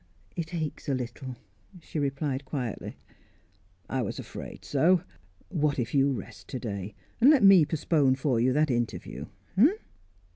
"It aches a little," she replied quietly. "I was afraid so. What if you rest to day, and let me postpone for you that interview